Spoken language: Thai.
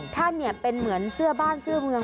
ท่านเป็นเหมือนเสื้อบ้านเสื้อเมือง